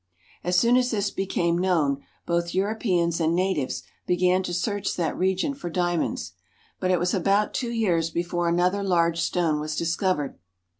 As soon as this became known, both Europeans and ' natives began to search that region for diamonds ; but it was about two years before another large stone was dis Lcovered.